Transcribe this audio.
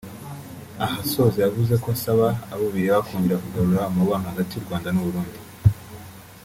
aha asoza yavuze ko asaba abo bireba kongera kugarura umubano hagati y’u Rwanda n’Uburundi